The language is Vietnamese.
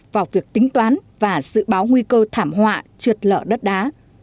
vào việc tính toán và dự báo nguy cơ thảm họa trượt lở đất đá